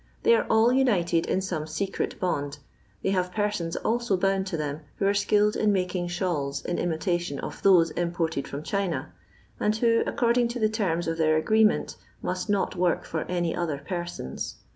They are all united in some secret bond; they hare persons also bound to them, who are skilled in making shawls in imitation of those imported from China, and who, according to the terms of their agreement, must not work for any other persons.